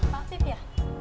pak fit ya